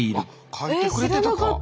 書いてくれてたか。